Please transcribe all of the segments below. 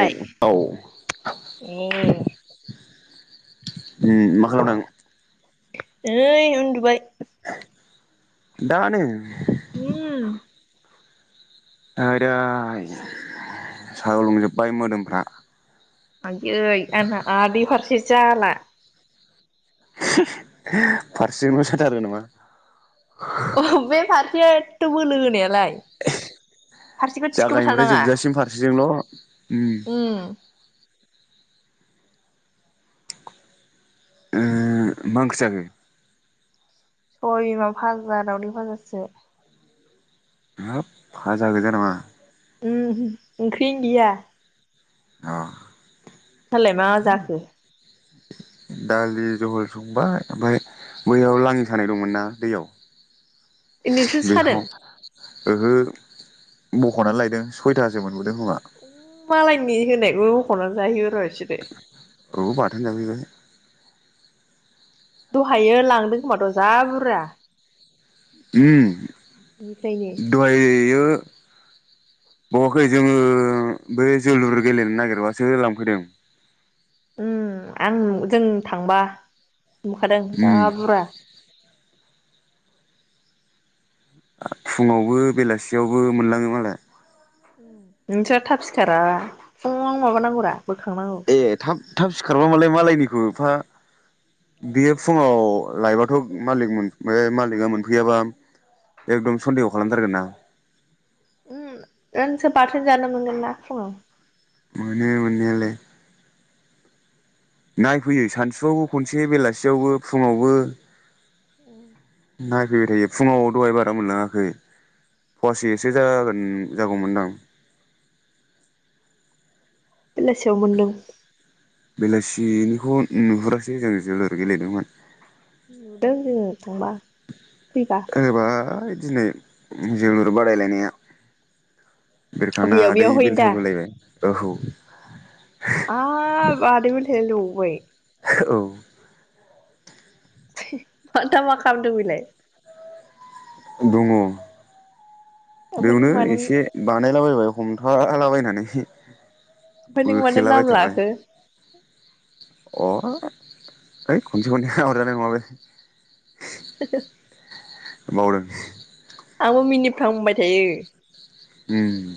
ए औ ओइ उम मा खालामदों नै उन्दुबाय दानो उम आयदै सागुलुंजोब्बाय मोदोमफ्रा आयदै आंना आदै फारसे जाला फारसेजोंल साथारो नामा अ बेे फार से एथ' बोलो होनायालाय फारसेखौ थिखोबाय जागायनिफ्राय थानाङा जोबजासिम फारसेजोंल' उम उम उम मा ओंख्रि जाखो सबाय बिमा भाजा दाउदै भाजासो हाब भाजा गोजाया नामा उम ओंख्रि गैया अह नोंसालाय मा जाखो दालि जहल संबाय ओमफ्राय बैयाव लाङि सानाय दंमोन ना दैयाव ए नोंसो बेयाव सादों ओहो बख'नानै लायदों सयथासो मोन उ मालायनि होनायखौ बख'ना जाहैयो औ सिदे औ बाथोन जाफैबाय दहायो लांदों खोमाथ जाबुरजा उम दहायो बावाखै जोंङो बे जोलुर गेलेनो नागिरबासो लांफैदों उम आं जों थांबा नुखादां जा बुरा फुंङावबो बेलासियावबो मोनलाङो मालाय उम नोंस्रा थाब सिखाराना फुंङावनो माबानांगौरा बोखांनांगौ ए थाब थाब सिखारबा मालाय मालायनिखौ एफा बेयो फुङाव लायबाथ मालिक मोन बे मालिकआ मोनफैयाबा एकदम सनन्देह खालामथारगोन ना उम नोंसो बाथोन जानो मोनगोन ना फुंङाव मोनो मोननायालाय। नायफैयो सानसुआवबो खनसे बेलासियावबो फुंङावबो। उम नायफैबाय थायो फुंङाव दहाय बारा मोनलाङाखै फुवासेसो जागोन जागौमोनदां। बेलासियाव मोनदों। बेनिखौ नुहुरासै जों जोलुर गेलेदोंमोन। नुदों जोङो। [unintelligible] फैबा। ओरैबाय दिनै जोलुर बादायलायनाया बिरखांना बेयाव आदै बेयाव हैनो दा बेलथायगुलायबाय। ओहो औ गय [unintelligible] औ [unintelligible] दा मा खामलामदों बिलाय। दङ। ओमफ्राय बेवनो नों मानो एसे बानायलाबायबाय। हमथालाबायनानै। ओमफ्राय नों मानो नाम बोखेलाबायथारबाय लाखो। अ है खनसे खनैखो अरजानाय नङा बे [inaudible] बावदों। आंबो मिनिफ्लांबाय थायो। उम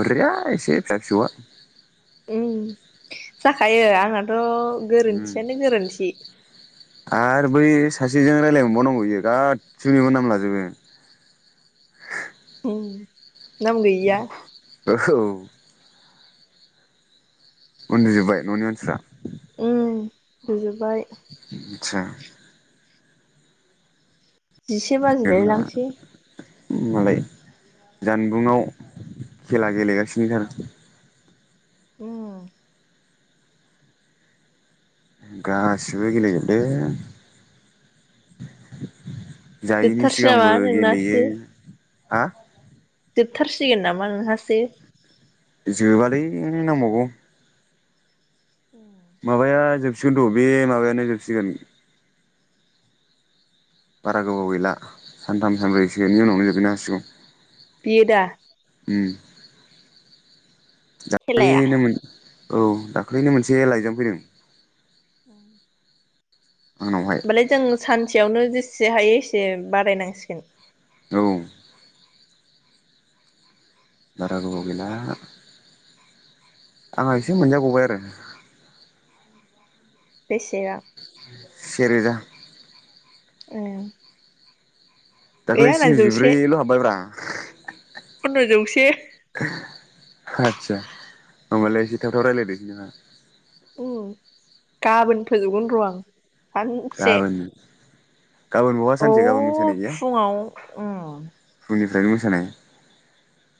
अरजाया एसे फिसा फिसौआ। उम जाखायो आंनाथ' उम गोरोन्थियानो गोरोन्थि आरो बै सासेजों रायलाय मोनबावनांगौ इयो गासैनिबो नाम लाजोबो। उम नाम गैयिया ओह औ। [inaudible] उन्दुजोबबाय न'नि मानसिफ्रा। गुजोबबाय। आतसा जिसे बाजिलाय लांसै। ओम मालाय जानबुङाव खेला गेलेगासिनो [unintelligible] उम गासिबो गेलेजोबदों जायैनि जोबथारसै नामा सिगांबो गेलेयो। नोंनासो हा जोबथारसिगोन नामा नोंहासो। जोबालै नांबावगौ। उम माबाया जो सिगोन र' बे माबायानो जोबसिगोन बारा गोबाव गैला सानथाम सानब्रैसोनि उनावनो जोबैनो हासिगौ। बियो दा? उम खेलाया [unintelligible] मोन औ दाख्लैनो मोनसे लाइजाम फैदों। अ आंनावहाय होमबालाय जों सानसेयावनो जेस से हायो एसे बादायनांसिगोन। औ बारा गोबाव गैला आंहा उम एसे मोनजाबावबाय आरो बेसेआ? से रोजा। ए दाख्लै स्निजिब्रैल' हाबबायब्रा। कन्द' जौसे। आदसा होमबालाय एसे थाब थाब रायलायदोसै नोंहा। उम गाबोन फोजोबगोन र' आं। सानसे। गाबोन गाबोन बहा औ सानसे गाबोन मोसानाय गैया फुङाव उम। [unintelligible] मोसानाय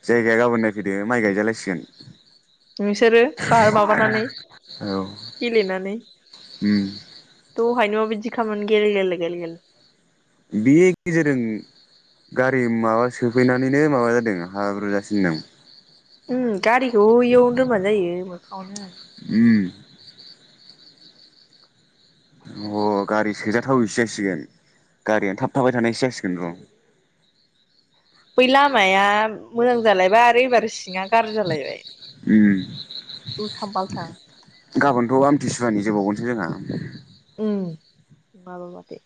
जायगाया गाबोन नायफैदो माइ गायजालायसिगोन। नोंसोरो बार माबानानै औ गेलेनानै उम दहायनो बिदिखामोन गेल गेल गेल गेल। बे गेजेरजों गारि माबा सोफैनानैनो माबा जादों हाब्रु जासिनदों। उम गारिखौ इयावनो दोनबानो जायो मोखाङावनो। उम अ गारि सोजाथावैसो जासिगोन गारियानो थाब थाबाय थानायसो जासिगोन र'। बै लामाया मोजां जालायबा आरो एबार सिङा गाज्रि जालायबाय उम उल्थां बाल्थां। गाबोनथ' आमथिसुवानि होबावगोनसो जोंहा। ओम माबा बादि।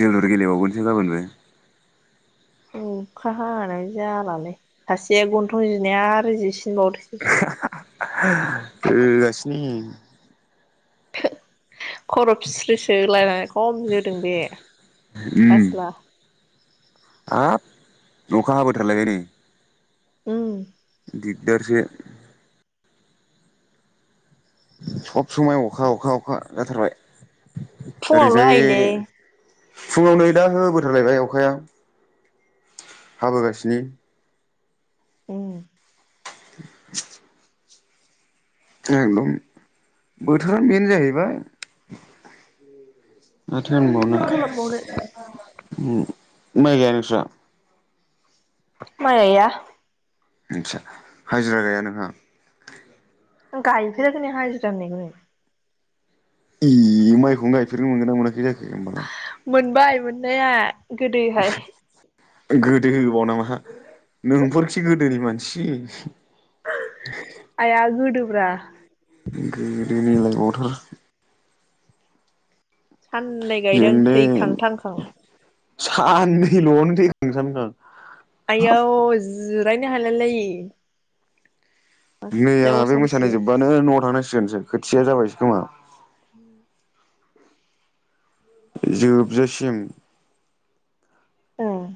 जोलुर गेलेबावगोनसो गाबोन बो। अखा हानानै जालालै सासेया गन्थं जिनाया आरो जिसि [unintelligible] [unintelligible] [unintelligible] खर' फिस्रोसो लायनानै खम जोदों बे उम आसोला। हाब अखा हाबोथारलायबाय नै‌ ओम दिगदारसो सब समाय अखा अखा अखा जाथारबाय फुङावल' ओरैजाय हायोलै फुङाव नै दा होबोथारलायबाय अखाया हाबोगासिनो ओं [unintelligible] एकदम बोथोरानो बेनो जाहैबाय माथो होनबावनो ओम माइ गाइया नोस्रा माइ गाइया बिदिसो हाजिरा गाइया नोंहा गाइफेरा हाजिरा होननायखौनो इ माइखौनो गाइफेरनो मोनगोन ना मोनाखै जाखो होनबा मोनबाय मोननाया गोदोहाय [unintelligible] गोदो होनबावो नामा नोंफोरखि गोदोनि मानसि आया गोदो ब्रा गोदोनि होनलाय बावथार साननै गायदों जोंलै थैखां थांखां साननैलआवनो थैखां थांखां आइयौ जिरायनो हालायलायि नै आंहा बे मोसानाय जोब्बानो नआव थांनांसिगोनसो खोथिया जाबायसो खोमा [unintelligible] जोबजासिम ओं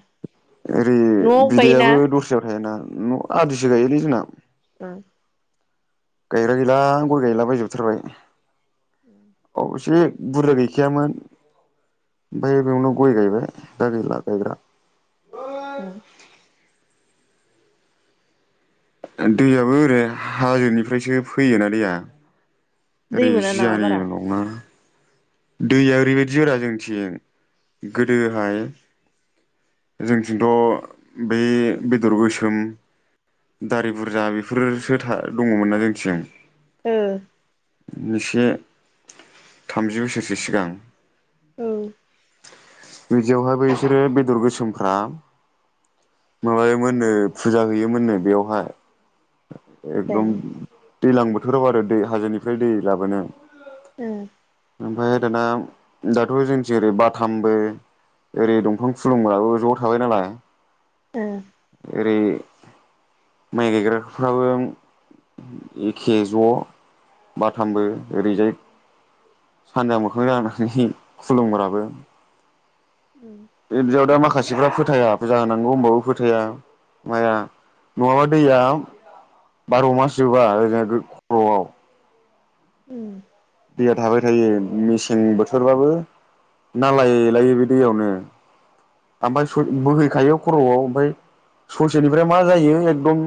ओरै न'आव बायोना बिदैयाबो दस्रायाव थायोना न आदिसो गायोलै जोंना [inaudible] गायग्रा गैला आं गय गायलाबायजोब थारबाय। अभिशेक बुरजा गैखायामोन ओमफाय बेयावनो गय गायबाय दा गैला गायग्रा ओं दैयाबो ओरै हाजोनिफ्रायसो फैयोना दैया दै ओरै मोना नामा बारा जियानिलङा दैया ओरैबायदि जोरा जोंथिं गोदोहाय जोंथिंथ' बे बेदर गोसोम दारि बुरजा बेफोरसो था दङमोन ना जोंथिं ओ नसे थामजि बोसोरसो सिगां औ। बिदियावहाय बैसोरो बेदर गोसोमफ्रा माबायोमोननो फुजा हैयोमोननो बेयावहाय एगदम ओमफ्राय दैलां बोथोराव आरो दै हाजोनिफ्राय दै लाबोनो ओम ओमफाय दाना दाथ जोंथि ओरै बाथामबो ओरै दंफां खुलुंबाबो ज थाबाय नालाय ओ ओरै माइ गायग्रा फ्राबो एखे ज बाथामबो ओरैजाय सानजा मोखांजानानै खुलुमग्राबो उम [unintelligible] माखासेफ्रा फोथाया फुजा होनांगौ होनोमबाबो फोथाया माया नङाबा दैया बार मास जोबा ओरैजा खरआव उम दैया थाबाय थायो मेसें बोथोरबाबो नालायलायो बे दैयावनो ओमफाय सय बोहैखायो खरआव ओमफाय ससेनिफाय मा जायो एकदम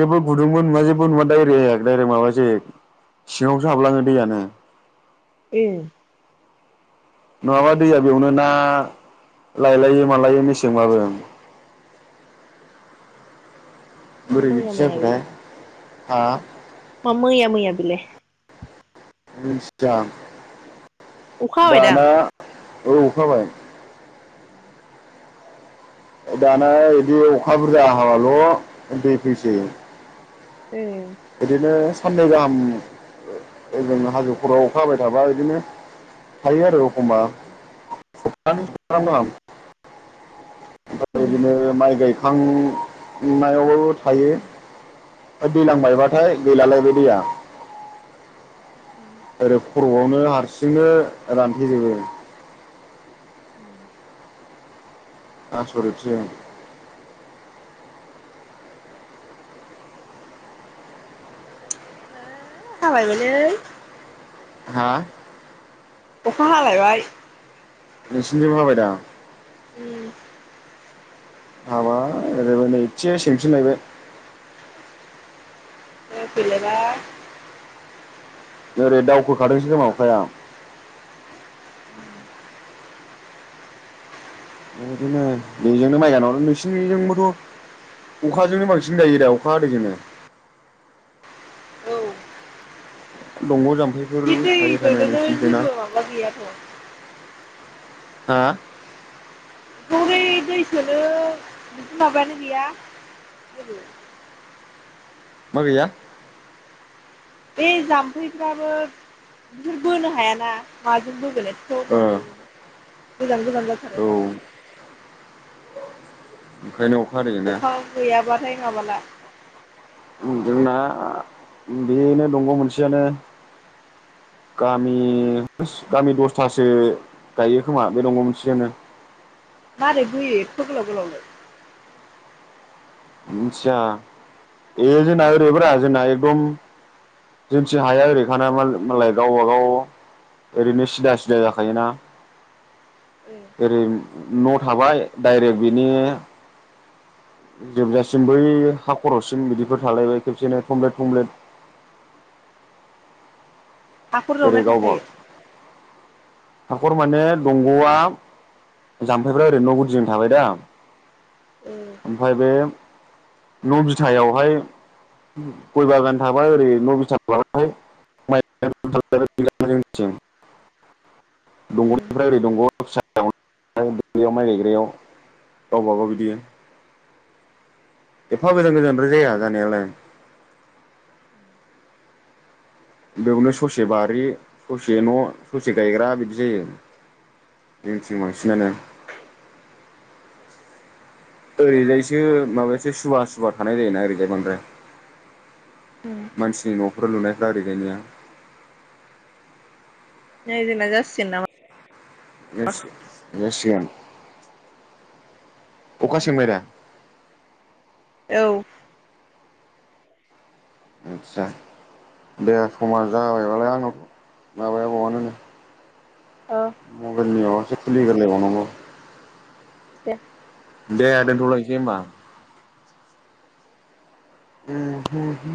जेबो गुदुंबो नुवा जेबो नुवा दायरेग दायरेग माबाजायो सिङावसो हाबलाङो दैयानो ए नङाबा दैया बेयावनो ना लायलायो मालायो मेसेंबाबो मा बोरै मैया मैया बिदिजाखोथाय बेलाय हा मा मैया मैयाबिलाय निसाम अखा हाबायदां औ अखाहाबाय उम दाना बिदि अखा बुरजा हाबाल दै फैसै। ए बिदिनो साननै गाहाम ओ जों हाजो खराव अखा हाबाय थाबा बिदिनो थायो आरो एखमबा सबथानै सबथाथाम गाहाम ओमफ्राय उम बिदिनो माइ गाय आं नायावबाबो थायो दैलां बायबाथाय गैला लाय दैया उम ओरै खरआवनो हारसिंनो रानफैजोबो उम आसरिदसो हो हाबायलै हा अखा हालायबाय नोंसिनिथिंबो हाबायदां उम हाबाय ओरैबोनै इथिंजाय सेंफिनलायबाय फैलायबाय ओरै दावखोखादोंसो अखाया [unintelligible] बेबायदिनो बेजोंनो माइ गायनांगौ नोंसिनिजोंबोथ अखाजोंनो बांसिन जायो दा अखा दैैजोंनो औ दंङ जाम्फै [unintelligible] [unintelligible] हा हरै दै सोनो बिदि माबायानो गैया जेबो मागैया बे जाम्फैफ्राबो बिसोर बोनो हायाना माजों बोगोनो औ ओ माबायो गोजान गोजान जाथारानो औ हाया [unintelligible] ओंखायनो अखा हादैजोंना थाय माबाला जोंना बेनो दंग मोनसेयानो गामि गामि दसथासो गायो खोमा बे दंग मोनसेजोंनो मारै बोयो एथ गोलाव गोलाव लाय मिथिया ए जोंना ओरैब्रा जोंना एकदम जोंथिं हाया ओरैखाना मालाय गावबाागाव ओरैनो सिदा सिदा जाखायोना ओ ओरै न थाबाय डाइरेक्ट बिनि जोबजासिम बै हा खरसिम बिदिफोर थालायबाय खेबसेनो थमब्लेट थमब्लेट हाखर जावनाय ओरै गावबा थाखायो हाखर माने दंगआ जामफैफ्रा ओरैनो नगुदिजों थाबाय दा ओ ओमफ्राय बे न बिथथायावहाय गय बागान थाबाय ओरै न बिथा खालामाय माइ जोंनिथिं उम दंगनिफ्राय ओरै दंगआव फिसा दुबलियाव माइ गायग्रायाव गावबागाव बिदि एफा गोजान गोजानद जाया जानायालाय बेवनो ससे बारि ससे न ससे गायग्रा बिदि जायो बेंथिं उम बांसिनानो ओरैजायसो माबासो सुबवा सुबा थानाय जायोना ओरैजाय बांद्राय उम मानसिनि नफोराव लुनायफ्रा ओरैजाय निया नै जोंना जासिनामा जासिगोन [unintelligible] अखा सेंबाय दा औ आदसा दे समा जाबायबालाय आंनाव [unintelligible] औ मबेलनि [unintelligible] [unintelligible] दे दे दोनथ लायनिसै ओमबा [inaudible]